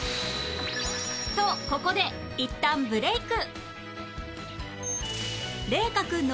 とここでいったんブレーク